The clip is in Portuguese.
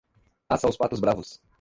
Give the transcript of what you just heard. Caça aos patos bravos